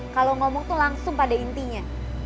kalau ngomong itu langsung pada intinya